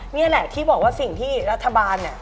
นี่แหละที่บอกว่าสิ่งที่รัฐบาลเนี่ย